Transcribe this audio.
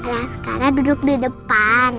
raskara duduk di depan